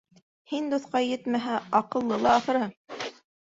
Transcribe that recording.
— Һин, дуҫҡай, етмәһә, аҡыллы ла, ахырыһы?